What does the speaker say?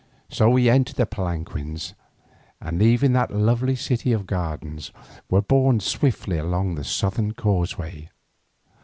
So we entered the palanquins, and leaving that lovely city of gardens, were borne swiftly along the southern causeway.